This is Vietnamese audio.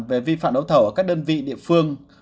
về vi phạm đấu thầu ở các đơn vị địa phương